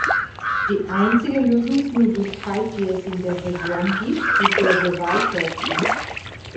Die einzige Lösungsmöglichkeit, die es in der Region gibt, ist der Gewaltverzicht.